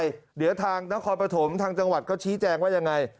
เดี๋ยวทางนครปฐมทางจังหวัดเขาชี้แจงว่ายังไง